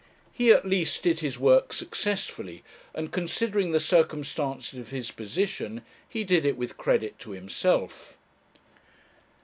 He at least did his work successfully, and, considering the circumstances of his position, he did it with credit to himself.